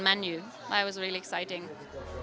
saya sangat teruja